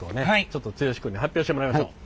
ちょっと剛君に発表してもらいましょう。